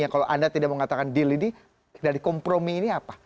kalau anda tidak mengatakan deal ini dari kompromi ini apa